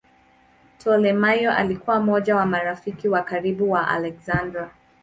Ptolemaio alikuwa mmoja wa marafiki wa karibu wa Aleksander.